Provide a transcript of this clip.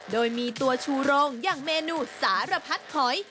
โดยมีตัวชูโรงอย่างเมนูสารพัดหอย